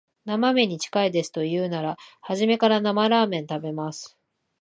生めんに近いですと言うなら、初めから生ラーメン食べます